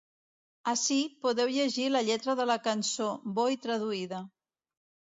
Ací podeu llegir la lletra de la cançó, bo i traduïda.